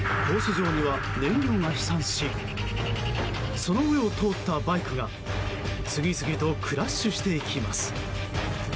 上には燃料が飛散しその上を通ったバイクが次々とクラッシュしていきます。